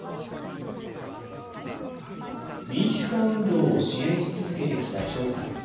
民主化運動を支援し続けてきたチョウさん。